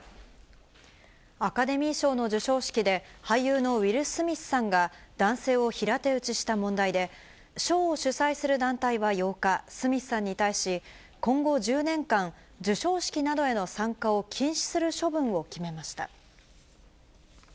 アカデミー賞の授賞式で、俳優のウィル・スミスさんが、男性を平手打ちした問題で、賞を主催する団体は８日、スミスさんに対し、今後１０年間、授賞式などへの参加を禁止する処分を決めました。